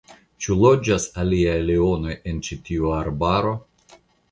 Ĉu loĝas aliaj leonoj en ĉi tiu arbaro?